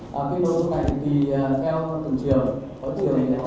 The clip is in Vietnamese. qua điện thoại hay qua cửa biểu hay qua bậc trường chẳng hạn nào